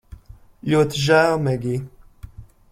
Ļoti žēl, Megij